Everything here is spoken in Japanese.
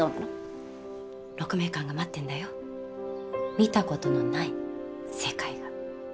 見たことのない世界が。